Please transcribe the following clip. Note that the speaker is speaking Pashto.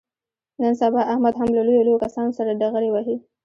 نن سبا احمد هم له لویو لویو کسانو سره ډغرې وهي.